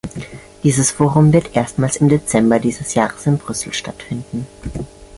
Dieses Forum wird erstmals im Dezember dieses Jahres in Brüssel stattfinden.